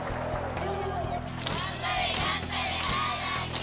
頑張れ頑張れ荒木！